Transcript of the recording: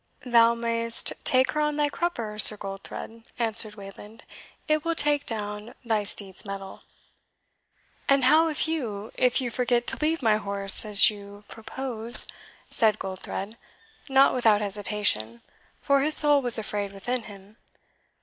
"Thou mayest take her on thy crupper, Sir Goldthred," answered Wayland; "it will take down thy steed's mettle." "And how if you if you forget to leave my horse, as you propose?" said Goldthred, not without hesitation, for his soul was afraid within him.